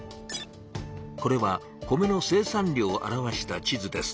これは米の生産量を表した地図です。